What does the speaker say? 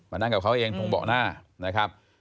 นั่งกับเขาเองตรงเบาะหน้านะครับ